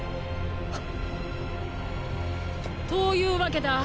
っ！というわけだ。